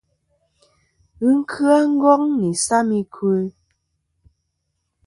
Ghɨ kya Ngong nɨ isam i kwo.